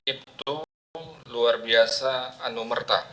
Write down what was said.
ibtu luar biasa anumerta